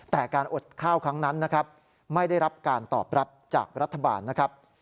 แต่การอดข้าวครั้งนั้นนะครับไม่ได้รับการตอบรับจากรัฐบาลนะครับ